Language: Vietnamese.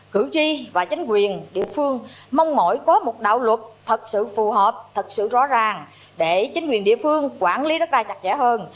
cử tri và chính quyền địa phương mong mỏi có một đạo luật thật sự phù hợp thật sự rõ ràng để chính quyền địa phương quản lý đất đai chặt chẽ hơn